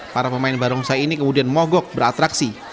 para pemain barongsai ini kemudian mogok beratraksi